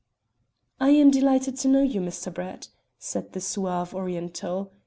"I am delighted to know you, Mr. Brett," said the suave Oriental.